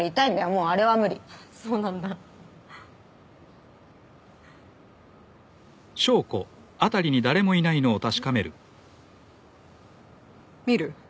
もうあれは無理そうなんだ見る？